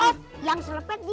op yang selepet diam